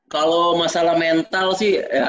kalau masalah mental sih